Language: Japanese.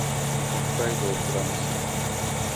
北海道富良野市